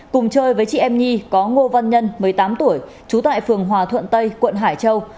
cùng chơi với chị em nhi có ngô văn nhân một mươi tám tuổi trú tại phường hòa thuận tây quận hải châu